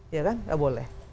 ya kan nggak boleh